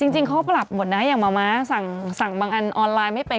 จริงเขาปรับหมดนะอย่างมะม้าสั่งบางอันออนไลน์ไม่เป็น